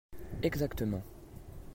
Exactement